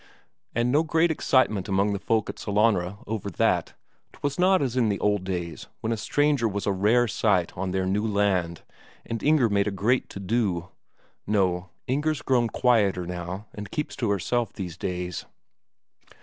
And no great excitement among the folk at Sellanraa over that 'twas not as in the old days, when a stranger was a rare sight on their new land, and Inger made a great to do. No, Inger's grown quieter now, and keeps to herself these days.